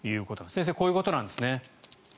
先生、こういうことなんですね。